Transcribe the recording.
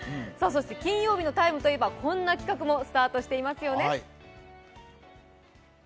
金曜日の「ＴＨＥＴＩＭＥ，」といえばこんな企画もスタートしていますよね。